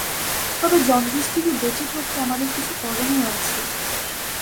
তবে জন্ডিস থেকে বেঁচে থাকতে আমাদের কিছু করণীয় আছে।